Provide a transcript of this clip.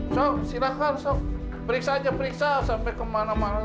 sok silakan periksa saja periksa sampai kemana mana